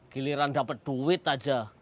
giliran dapet duit aja